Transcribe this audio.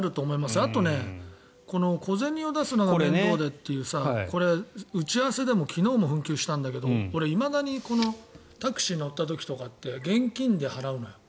あと小銭を出すのが面倒でっていうこれ、打ち合わせでも昨日も紛糾したんだけど俺、いまだにタクシー乗った時とかって現金で払うのよ。